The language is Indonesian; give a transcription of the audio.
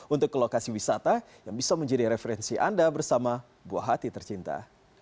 untuk ke lokasi wisata yang bisa menjadi referensi anda bersama buah hati tercinta